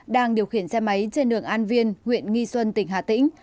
đang điều khiển xe máy trên đường an viên huyện nghi xuân tỉnh hà tĩnh